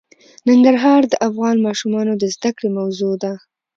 ننګرهار د افغان ماشومانو د زده کړې موضوع ده.